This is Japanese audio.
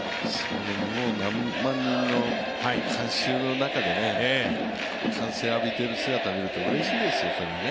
何万人の観衆の中で歓声を浴びている姿を見るとうれしいですよ、それはね。